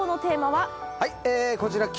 はい。